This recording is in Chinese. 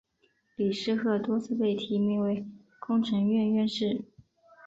李世鹤多次被提名为工程院院士。